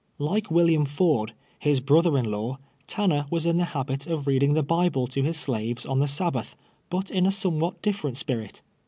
Like AYilliam Ford, his brother in law. Tanner was in the habit of reading the Bible to his slaves on the Sabbath, but in a somewhat different spirit.